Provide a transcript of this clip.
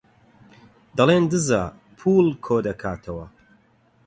دەڵێن دزە، پووڵ کۆدەکاتەوە.